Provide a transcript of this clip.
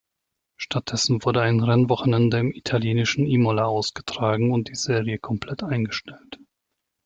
Stattdessen wurde ein Rennwochenende im italienischen Imola ausgetragen und die Serie komplett eingestellt.